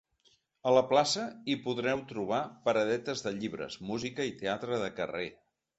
A la plaça, hi podreu trobar paradetes de llibres, música i teatre de carrer.